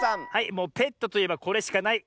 もうペットといえばこれしかない。